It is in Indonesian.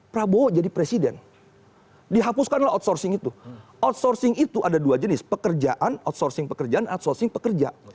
prabowo jadi presiden dihapuskanlah outsourcing itu outsourcing itu ada dua jenis pekerjaan outsourcing pekerjaan outsourcing pekerja